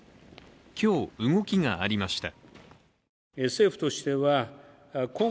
今日、動きがありました。